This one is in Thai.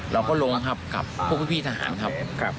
เราก็ลงกับพวกพี่ทหารครับ